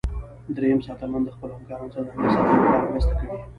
دریم ساتنمن د خپلو همکارانو سره د امنیت ساتلو لپاره مرسته کوي.